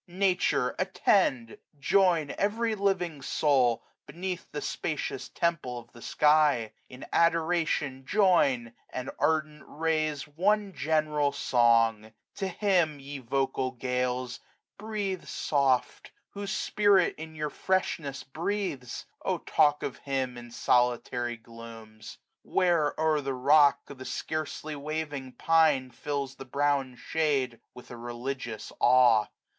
Nature, attend! join every living soul. Beneath the spacious temple of the sky. In adoration join; and, ardent, raise One general song! To Him, ye vocal gales, 46 Breathe soft ; whose Spirit in your freshness breathes : Oh talk of Him in solitary glooms! Where, o*er the rock, the scarcely waving pine Fills the brown shade with a religious awe.